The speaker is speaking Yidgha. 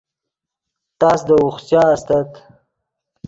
تس دے اوخچا استت